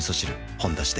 「ほんだし」で